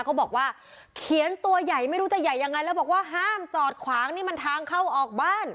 เขาบอกว่าเขียนตัวใหญ่ไม่รู้จะใหญ่ยังไงแล้วบอกว่าห้ามจอดขวางนี่มันทางเข้าออกบ้าน